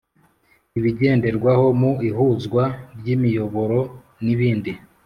ibigenderwaho mu ihuzwa ry imiyoboro n ibindi